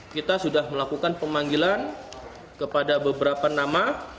kita sudah melakukan pemanggilan kepada beberapa nama